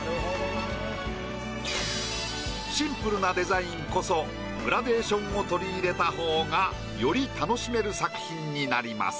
シンプルなデザインこそグラデーションを取り入れたほうがより楽しめる作品になります。